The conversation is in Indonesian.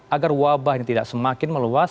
agar wabah ini tidak semakin meluas